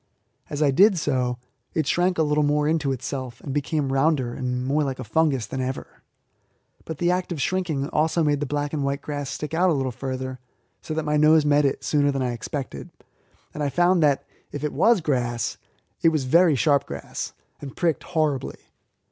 As I did so it shrank a little more into itself, and became rounder and more like a fungus than ever; but the act of shrinking also made the black and white grass stick out a little further, so that my nose met it sooner than I expected, and I found that, if it was grass, it was very sharp grass, and pricked horribly.